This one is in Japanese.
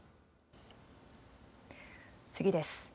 次です。